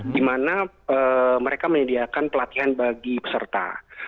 dimana mereka menyediakan pelatihan bagi peserta